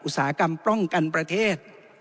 อุตสาหกรรมป้องกันประเทศ